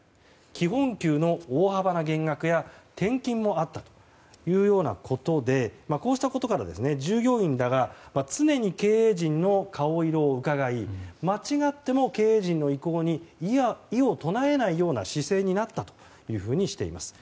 基本給の大幅な減額や転勤もあったというようなことでこうしたことから従業員らが常に経営陣の顔色をうかがい間違っても経営陣の意向に異を唱えないような姿勢にあったとしています。